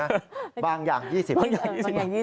บางอย่าง๒๐บางอย่าง๒๐บาท